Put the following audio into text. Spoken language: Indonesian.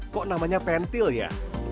kok namanya pentil ya